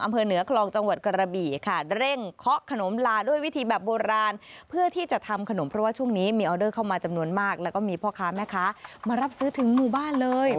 มารับซื้อถึงหมู่บ้านเลย